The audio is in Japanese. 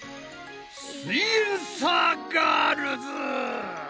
すイエんサーガールズ！